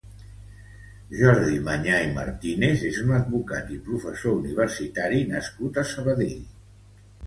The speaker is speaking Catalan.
Jordi Manyà i Martínez és un advocat i professor universitari nascut a Sabadell.